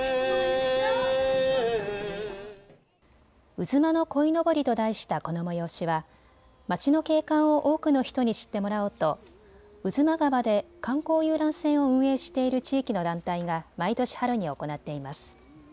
うずまのこいのぼりと題したこの催しは街の景観を多くの人に知ってもらおうと巴波川で観光遊覧船を運営している地域の団体が毎年春に行っています。